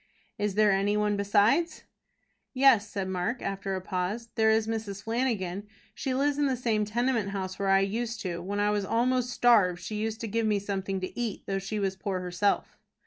"Is there any one besides?" "Yes," said Mark, after a pause; "there is Mrs. Flanagan. She lives in the same tenement house where I used to. When I was almost starved she used to give me something to eat, though she was poor herself."